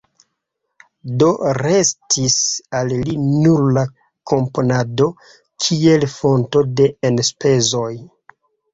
Do restis al li nur la komponado kiel fonto de enspezoj.